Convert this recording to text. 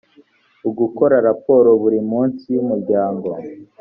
ugukora raporo buri munsi y’umuryango